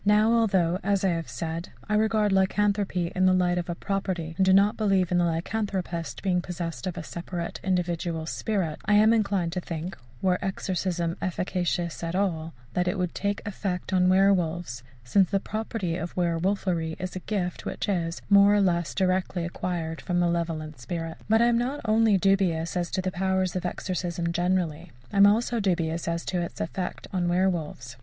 Now, although, as I have said, I regard lycanthropy in the light of a property, and do not believe in the lycanthropist being possessed of a separate individual spirit, I am inclined to think, were exorcism efficacious at all, that it would take effect on werwolves, since the property of werwolfery is a gift which is, more or less, directly acquired from the malevolent spirits. But I am not only dubious as to the powers of exorcism generally, I am also dubious as to its effect on werwolves.